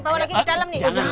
power lagi di dalam nih